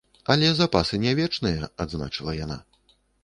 Але запасы не вечныя, адзначыла яна.